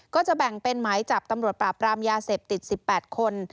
ก็จะแบ่งเป็นหมายจับตำรวจปราบรามยาเสพติด๑๘คน